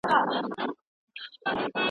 کمپله پر تخت هواره کړه او کوټه پاکه کړه.